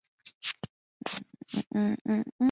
奥白泷号志站石北本线上的号志站。